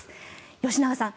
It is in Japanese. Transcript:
吉永さん